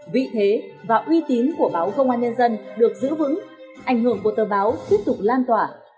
vị thế và uy tín của báo công an nhân dân được giữ vững ảnh hưởng của tờ báo tiếp tục lan tỏa